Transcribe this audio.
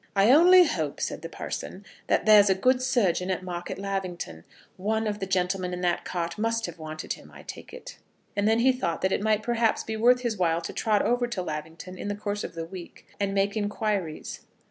"I only hope," said the parson, "that there's a good surgeon at Market Lavington. One of the gentlemen in that cart must have wanted him, I take it." Then he thought that it might, perhaps, be worth his while to trot over to Lavington in the course of the week, and make inquiries.